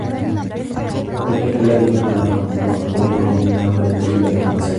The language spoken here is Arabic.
أُولَئِكَ الَّذِينَ لَعَنَهُمُ اللَّهُ وَمَنْ يَلْعَنِ اللَّهُ فَلَنْ تَجِدَ لَهُ نَصِيرًا